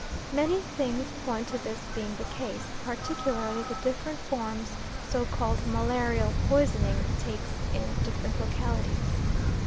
Many things point to this being the case; particularly the different forms so called malarial poisoning takes in different localities.